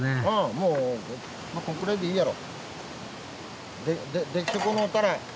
もうこんくらいでいいやろ。